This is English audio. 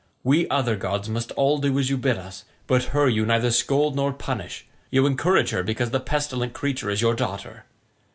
We other gods must all do as you bid us, but her you neither scold nor punish; you encourage her because the pestilent creature is your daughter.